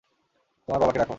তোমার বাবাকে ডাকো।